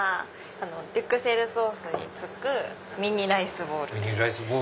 デュクセルソースにつくミニライスボールです。